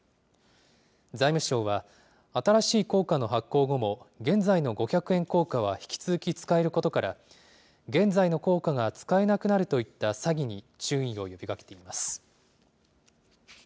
財務省は、新しい硬貨の発行後も、現在の五百円硬貨は引き続き使えることから、現在の硬貨が使えなくなるといった詐欺に注意を呼びかけています。